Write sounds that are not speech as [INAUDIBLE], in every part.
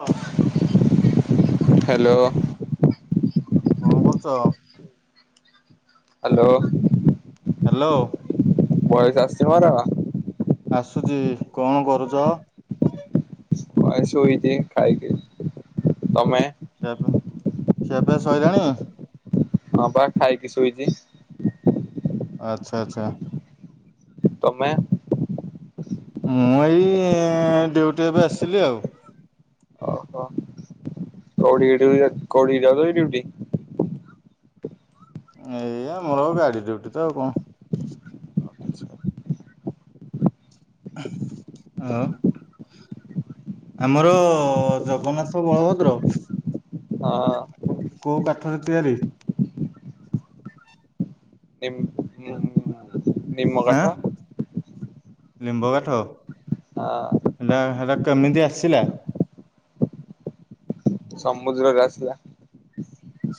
ହ। ହ୍ୟାଲୋ! କଣ କରୁଚ? ହ୍ୟାଲୋ। ହ୍ୟାଲୋ। ବୟସ ଆସଛି ମର! ଆସୁଚି। କଣ କରୁଚ? ହଁ, ଏ ଶୁଇଚି ଖାଇକି। ତମେ? ସେଆପା। ଖିଆପିଆ ସଇଲାଣି? ହଁ, ପା ଖାଇକି ଶୁଇଚି। ଆଚ୍ଛା, ଚ୍ଛା। ତମେ? ମୁଁ, ଏଇ-ଇଁ ଡ୍ୟୁଟି ଏବେ ଆସିଲି ଆଉ। କଉଠି ଡ୍ୟୁ ଯାଉ, କଉଠି କି ଯାଉଚୁକି ଡ୍ୟୁଟି? ଏଇ ଆମର ଗାଡି ଡ୍ୟୁଟି ତ ଆଉ କଁ? ଆଉ। ଆମର-ଅ ଜଗନ୍ନାଥ ବଳଭଦ୍ର ହଁ-ଅଁ କୋ-କୋଉ କାଠରେ ତିଆରି? ନିମ୍। ଆଁ! ଲିମ୍ବ କାଠ, ହଁ ହେଟା ହେରା କେମିତି ଆସିଲା? ସମୁଦ୍ରରେ ଆସିଲା।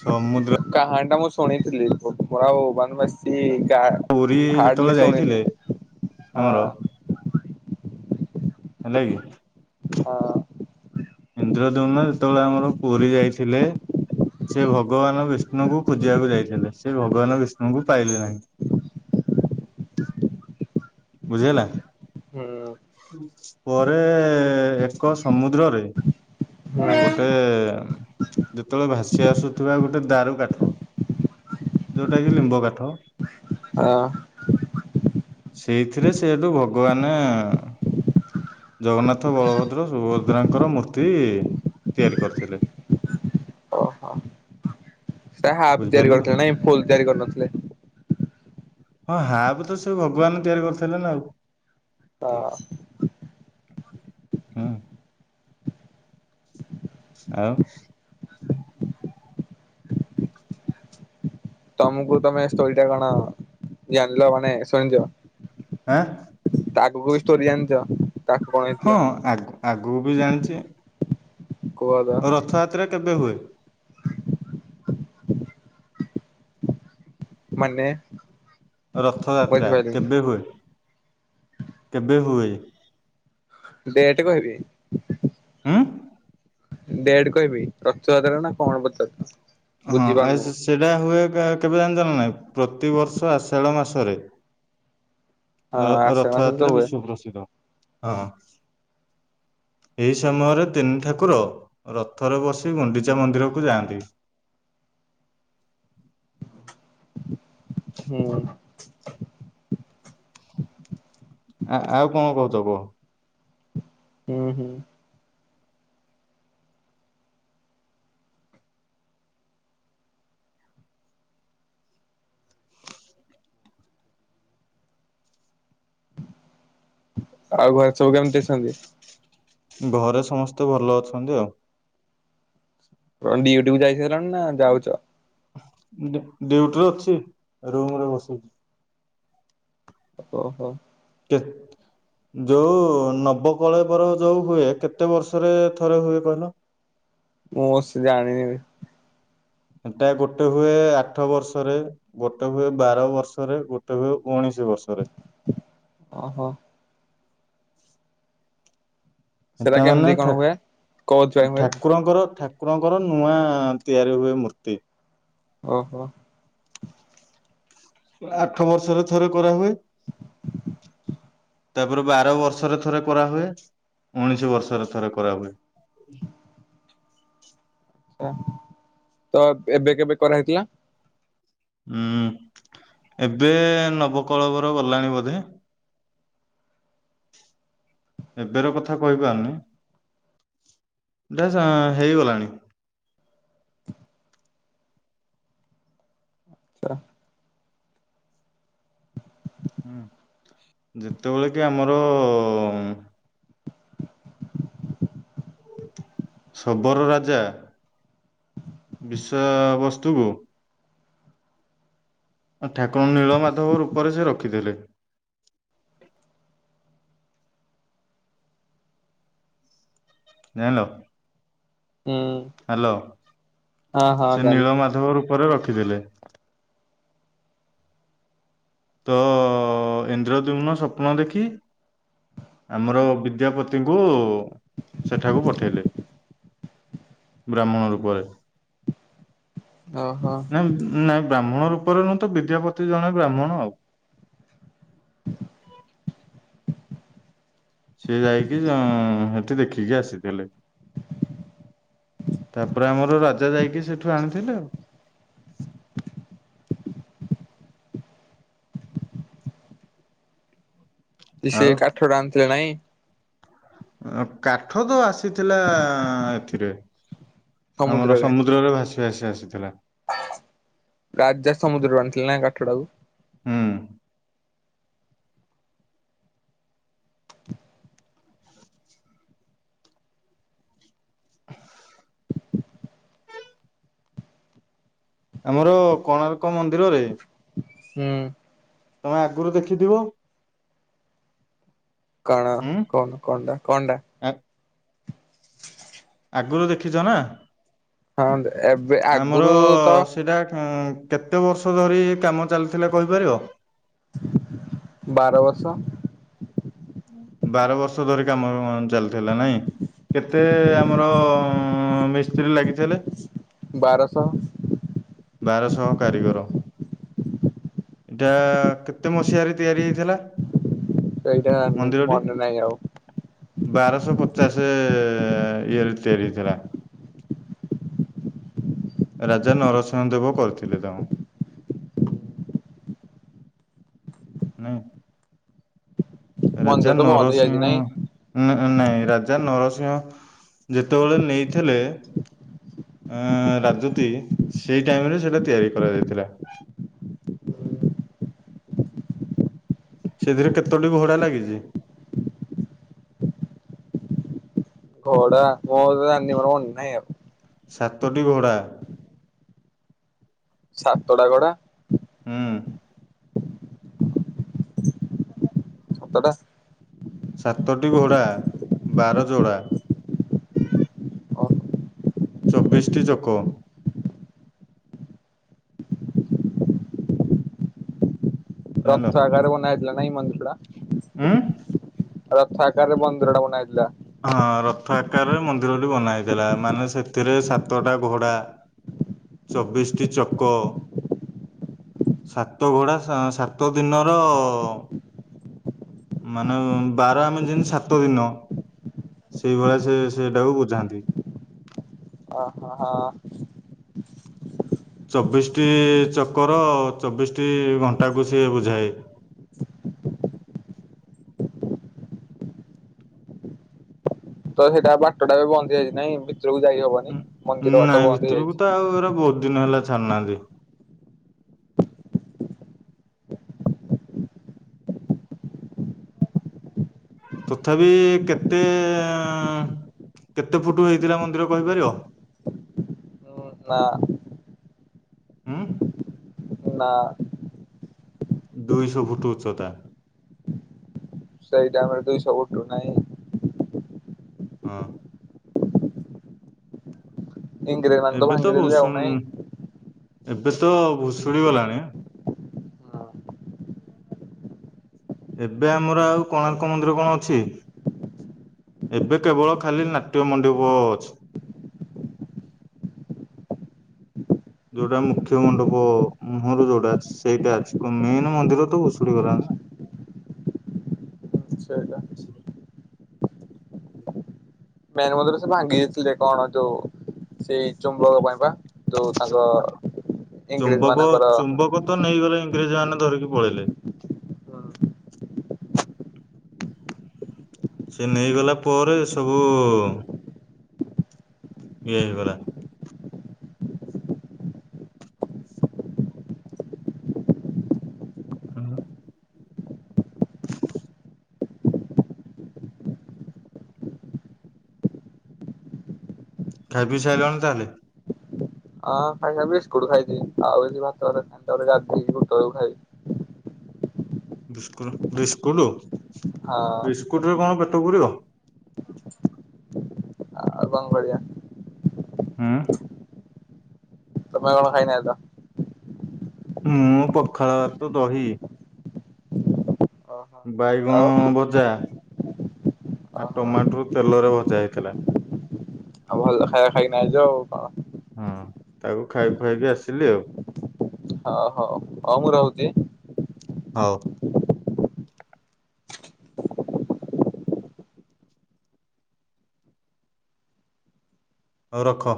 ସମୁଦ୍ କାହାଣୀ ଟା ମୁଁ ଶୁଣିଥିଲି, ମୋର ଆଉ ମାନେ ବେଶ୍ ଚି-ଇ ଗା ପୁରୀ ଯେତେବେଳେ ହାର୍ଡଲି ଶୁଣିନି। ଯାଇଥିଲେ ହଁ। ଆମର ହେଲା କି! ହଁ। ଇନ୍ଦ୍ରଦ୍ୟୁମ୍ନ ଯେତେବେଳେ ଆମର ପୁରୀ ଯାଇଥିଲେ। ସେ ଭଗବାନ ବିଷ୍ଣୁଙ୍କୁ ଖୁଜିଆକୁ ଯାଇଥିଲେ। ସେ ଭଗବାନ ବିଷ୍ଣୁଙ୍କୁ ପାଇଲେ ନାହିଁ। ବୁଝିହେଲା। ହୁଁ। ପରେ ଏକ ସମୁଦ୍ରରେ ହୁଁ ଗୋଟେ ଯେତେବେଳେ ଭାସି ଆସୁଥିବା ଗୋଟେ ଦାରୁ କାଠ। ଯୋଉଟା କି ଲିମ୍ବ କାଠ। ହଁ। ସେଇଥିରେ ସେଇଠୁ ଭଗବାନେ ଜଗନ୍ନାଥ ବଳଭଦ୍ର ସୁଭଦ୍ରାଙ୍କର ମୂର୍ତ୍ତି ତିଆରି କରିଥିଲେ। ଓହୋ ସେ ହାଫ୍ ବୁଝିପାରିଲ ତିଆରି ତ କରିଥିଲେ ନାଇଁ ଫୁଲ୍ ତିଆରି କରିନଥିଲେ। ହଁ ହାପ୍ ତ ସେ ଭଗବାନ ତିଆରି କରିଥେଲେ ନା ଆଉ ହଁ ହୁଁ ଆଉ ଆମକୁ ତମେ ଷ୍ଟୋରି ଟା କଣ ଜାଣିଲ ମାନେ ଶୁଣିଥିବ। ଆଁ। ତା ଆଗକୁ ବି ଷ୍ଟୋରୀ ଜାଣିଚ? ହଁ ଆଗ ଆଗକୁ ବି ଜାଣିଚି। କୁହ ଏବେ? ରଥଯାତ୍ରା କେବେ ହୁଏ? ମାନେ? ରଥଯାତ୍ରା ବୁଝିପାରିଲିନି କେବେ ହୁଏ କେବେ ହୁଏ? ଡେଟ୍ କହିବି? ହୁଁ। ଡେଟ୍ କହିବି ରଥଯାତ୍ରା ନା କଣ ପଚାରୁଚ? ହଁ ଆ ସେଇଟା ହୁଏ କେବେ ଜାଣିଚ ନା ନାହିଁ ପ୍ରତିବର୍ଷ ଆଷାଢ ମାସରେ। ହଁ ଆଷାଢ଼ ମାସରେ ତ ରଥଯାତ୍ରା ହୁଏ ବିଶ୍ଵ ପ୍ରସିଦ୍ଧ ହଁ। ଏହି ସମୟରେ ତିନି ଠାକୁର ରଥରେ ବସି ଗୁଣ୍ଡିଚା ମନ୍ଦିରକୁୁ ଯାଆନ୍ତି। ହୁଁ ଆ ଆଉ କଣ କହୁଚ କୁହ? ହୁଁ-ହୁଁ। ଆଉ ଘରେ ସବୁ କେମିତି ଅଛନ୍ତି? ଘରେ ସମସ୍ତେ ଭଲ ଅଛନ୍ତି ଆଉ। କଣ ଡ୍ୟୁଟିକୁ ଯାଇ ସାରିଲଣି ନା ଯାଉଚ? ଡ୍ୟୁଟୀରେ ଅଛି ରୁମରେ ବସ ଓହୋ। [UNINTELLIGIBLE] ଯୋଉ ନବକଳେବର ଯୋଉ ହୁଏ କେତେ ବର୍ଷରେ ଥରେ ହୁଏ କହିଲ? ମୁଁ ସେ ଜାଣିନି ବିି। ସେଟା ଗୋଟେ ହୁଏ ଆଠ ବର୍ଷରେ ଗୋଟେ ହୁଏ ବାର ବର୍ଷରେ, ଗୋଟେ ହୁଏ ଉଣେଇଶି ବର୍ଷରେ। ଓହୋ। ସେଟା ମାନେ କେମିତି କଣ ଠାକ୍ ହୁଏ କୋଉଥିପାଇଁ ହୁଏ ଠାକୁରଙ୍କର ଠାକୁରଙ୍କର ନୂଆ ତିଆରି ହୁଏ ମୂର୍ତ୍ତି। ଓହୋ। ଆଠ ବର୍ଷରେ ଥରେ କରାହୁଏ। ତାପରେ ବାର ବର୍ଷରେ ଥରେ କରାହୁଏ ଉଣେଇଶ ବର୍ଷରେ ଥରେ କରାହୁଏ। ଓ ତ ଏବେ କେବେ କରାହେଇଥିଲା? ହୁଁ, ଏବେ ନବକଳେବର ଗଲାଣି ବୋଧେ। ଏବେର କଥା କହିପାରୁନି। ହେଇଗଲାଣି। [UNINTELLIGIBLE] ହୁଁ, ଯେତେବେଳେ କି ଆମର ଶବର ରାଜା ବିଶ୍ଵାବସ୍ତୁକୁ ଠାକୁରଙ୍କୁ ନୀଳମାଧବ ରୂପରେ ସେ ରଖିଥିଲେ। ଜାଣିଲ। ହୁଁ। ହ୍ୟାଲୋ, ହଁ ହଁ ସେ ଜାଣିଲି। ନୀଳ ମାଧବ ରୂପରେ ରଖିଥିଲେ। ତ ଇନ୍ଦ୍ରଦ୍ୟୁମ୍ନ ସ୍ୱପ୍ନ ଦେଖି ଆମର ବିଦ୍ୟାପତିଙ୍କୁ ସେଠାକୁ ପଠେଇଲେ। ବ୍ରାହ୍ମଣ ରୂପରେ। ଓହୋ। ନାଇଁ ନାଇଁ ବ୍ରାହ୍ମଣ ରୂପରେ ନୁହଁ ତ ବିଦ୍ୟାପତି ଜଣେ ବ୍ରାହ୍ମଣ ଆଉ। [INAUDIBLE] ସିଏ ଯାଇକି ସେଠି ଦେଖିକି ଆସିଥିଲେ। ତାପରେ ଆମର ରାଜା ଯାଇଁକି ସେଠୁ ଆଣିଥିଲେ ଆଉ। ସେ ଆଉ କାଠ ଟା ଆଣିଥିଲେ ନାଇଁ। କାଠ ତ ଆସିଥିଲା ଏଥିରେ ଆମର ସମୁଦ୍ରରେ ଭାସିକି। ଭାସି ଆସିଥିଲା। ରାଜା ସମୁଦ୍ରରୁ ଆଣିଥିଲେ ନା କାଠଟାକୁ। ହୁଁ। ଆମର କୋଣାର୍କ ମନ୍ଦିରରେ ହୁଁ। ତମେ ଆଗରୁ ଦେଖିଥିବ। କଣ ଉଁ କହୁନ କଣଟା କଣ ଟା। ଆ ଆଗରୁ ଦେଖିଛ ନା ହଁ ଏବେ ଆମର ଆଗରୁ ତ ସେଟା କେତେ ବର୍ଷ ଧରି ଏ କାମ ଚାଲିଥିଲା କହିପାରିବ? ବାର ବର୍ଷ। ବାର ବର୍ଷ ଧରି କାମ ଚାଲିଥିଲା ନାଇଁ। କେତେ ଆମର ମିସ୍ତ୍ରୀ ଲାଗିଥିଲେ? ବାରଶହ। ବାରଶହ କାରିଗର। ଏଇଟା କେତେ ମସିହାରେ ତିଆରି ହେଇଥିଲା? ସେଇଟା ମନ୍ଦିରଟି? ମନେ ନାହିଁ ଆଉ। ବାରଶହ ପଚାଶ ଇଏରେ ତିଆରି ହେଇଥିଲା। ରାଜା ନରସିଂହ ଦେବ କରିଥିଲେ ତାଙ୍କୁ। ମନ୍ଦିର ରାଜା ତ ବନ୍ଦ ହେଇଯାଇଛି ନରସିିଂହ ନାଇଁ ଉଁ ନାଇଁ ରାଜା ନରସିଂହ ଯେତେବେଳେ ନେଇଥିଲେ ଉଁ ରାଜୁତି ସେଇ ଟାଇମ ରେ ସେଇଟା ତିଆରି କରାଯାଇଥିଲା। ସେଥିରେ କେତୋଟି ଘୋଡ଼ା ଲାଗିଛି? ଘୋଡ଼ା ମୁଁ ଆଉ ତ ଜାଣିନି ମୋର ମନ ନାହିଁ ଆଉ। ସାତଟି ଘୋଡ଼ା। ସାତଟା ଘୋଡା। ହୁଁ। ତଡ଼ା ସାତଟି ଘୋଡା ବାର ଯୋଡା। ଚବିଶ୍ ଟି ଚକ। ଜାଣିଲ ରକ୍ତ ଆକାର ବନା ହେଇଥିଲା ନାଇଁ ମନଷୁରା ଉଁ? ରଥ ଆକାରରେ ମନ୍ଦିର ଟା ବନା ହେଇଥିଲା। ହଁ ରଥ ଆକାରରେ ମନ୍ଦିରଟି ବନା ହେଇଥିଲା ମାନେ ସେଥିରେ ସାତଟା ଘୋଡା ଚବିଶ୍ ଟି ଚକ ସାତଘୋଡ଼ା ସା ସାତ ଦିନର ମାନେ ବାର ଆମେ ଯେମିତି ସାତ ଦିନ ସେଇଭଳିଆ ସେ ସେଟାକୁ ବୁଝାନ୍ତି। ଅ ହ ହଁ। ଚବିଶଟି ଚକର ଚବିଶଟି ଘଣ୍ଟାକୁ ସିଏ ବୁଝାଏ। ତ ସେଇଟା ବାଟ ଟା ବି ବନ୍ଦ ହେଇଯାଇଚି ନାଇଁ? ଯୋଉ ଯାଇ ହବ। ଉଁ ଉଁ ନାଇଁ ଭିତରକୁ ତ ଆଉ ଏରା ବହୁତ ଦିନ ହେଲା ଛାଡୁ ନାହାନ୍ତି। ତଥାପି କେତେ ଏଁ କେତେ ଫୁଟ ହେଇଥିଲା ମନ୍ଦିର କହିପାରିବ? ଉଁ ନା। ଉଁ? ନା। ଦୁଇଶ ଫୁଟୁ ଉଚ୍ଚତା। ସେଇ ଟାଇମ ରେ ଦୁଇଶ ପୁଟୁ ନାଇଁ? ହଁ। ଇଂରେଜ ମାନେ ଏବେ ତ ଭାଙ୍ଗିଦେଲେ ଆଉ ଭୂଷୁନ୍ ନାଇଁ। ଏବେ ତ ଭୁଷୁଡି ଗଲାଣି ହୁଁ ଏବେ ଆମର ଆଉ କୋଣାର୍କ ମନ୍ଦିର କଣ ଅଛି। ଏବେ କେବଳ ଖାଲି ନାଟ୍ୟ ମଣ୍ଡିପ ଅଛି। ଯୋଉଟା ମୁଖ୍ୟ ମଣ୍ଡପ ମୁହଁରୁ ଯୋଉଟା ଅଛି ସେଇଟା ଅଛି ମେନ ମନ୍ଦିର ତ ଭୁଷୁଡି ଗଲାଣି। ସେଇଟା। ମେନ୍ ମନ୍ଦିର ସେ ଭାଙ୍ଗି ଦେଇଥିଲେ କଣ ଯୋଉ ସେଇ ଚୁମ୍ବକ ପାଇଁ ବା ଯୋଉ ନା। ତାଙ୍କ ଇଂରେଜ ଚୁମ୍ବକ ମାନଙ୍କର ଚୁମ୍ବକ ତ ନେଇଗଲେ ଇଂରେଜ ମାନେ ଧରିକି ପଳେଇଲେ। ସେ ନେଇଗଲା ପରେ ଏ ସବୁ ଇଏ ହେଇଗଲା। ହୁଁ ହୁଁ। [INAUDIBLE] ଖାଇ ପି ସାରଲଣି ତାହେଲେ? ଅ [UNINTELLIGIBLE] ବିସ୍କୁଟ ଖାଇଚି ଆଉ ଏ ଭାତରେ ଗାଧେଇକି ଗୋଟେ ଏଳକୁ ଖାଇବି। ବିସ୍କୁ ବିସ୍କୁଟୁ ହଁ ବିସ୍କୁଟୁ ରେ କଣ ପେଟ ପୂରିବ? ଆଉ କଣ କରିବା? ହୁଁ। ତମେ କଣ ଖାଇନା ତ। ମୁଁ ପଖାଳ ଭାତ ଦହି ଓହୋ ବାଇଗଣ ଆଉ ଭଜା ଆ ଓହୋ। ଟମାଟୁ ତେଲରେ ଭଜା ହେଇଥିଲା। ଆଉ ଭଲ ଖାଇବା ଖାଇକି ନା ଆଇଚ ଆଉ କଣ। ହଁ ତାକୁ ଖାଇ ଖୁଆକି ଆସିଲି ଆଉ। ଓ ହଉ ହଉ ମୁଁ ରହୁଚି। ହଉ। ହଉ ରଖ।